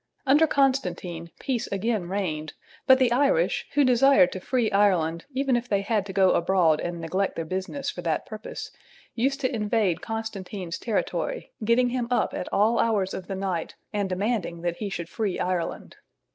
Under Constantine peace again reigned, but the Irish, who desired to free Ireland even if they had to go abroad and neglect their business for that purpose, used to invade Constantine's territory, getting him up at all hours of the night and demanding that he should free Ireland.